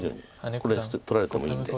これは取られてもいいので。